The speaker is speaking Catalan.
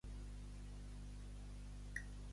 El teu judici final vindrà de Déu.